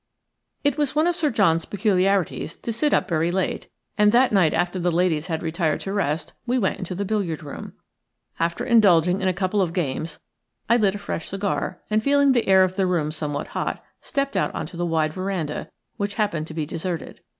It was one of Sir John's peculiarities to sit up very late, and that night after the ladies had retired to rest we went into the billiard room. After indulging in a couple of games I lit a fresh cigar, and, feeling the air of the room somewhat hot, stepped out on to the wide veranda, which happened to be deserted.